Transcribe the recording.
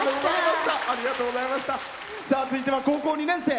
続いては高校２年生。